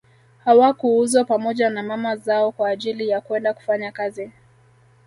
Hawakuuzwa pamoja na mama zao kwa ajili ya kwenda kufanya kazi